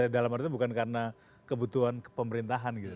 dalam arti bukan karena kebutuhan pemerintahan gitu